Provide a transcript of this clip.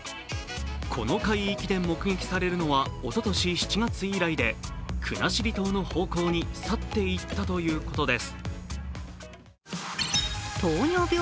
この海域で目撃されるのはおととし７月以来で国後島の方向に去って行ったということです。